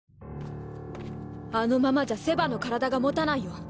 あのままじゃセヴァの体が持たないよ。